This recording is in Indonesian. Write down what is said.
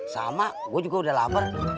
sama gue juga udah lama